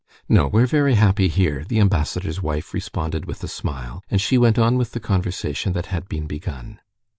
"No, we're very happy here," the ambassador's wife responded with a smile, and she went on with the conversation that had been begun.